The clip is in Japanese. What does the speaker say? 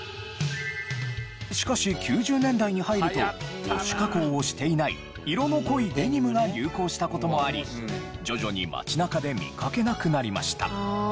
しかし９０年代に入るとウォッシュ加工をしていない色の濃いデニムが流行した事もあり徐々に街中で見かけなくなりました。